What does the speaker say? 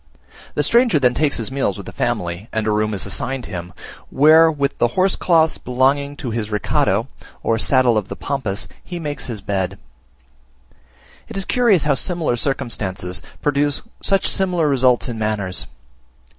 The stranger then takes his meals with the family, and a room is assigned him, where with the horsecloths belonging to his recado (or saddle of the Pampas) he makes his bed. It is curious how similar circumstances produce such similar results in manners.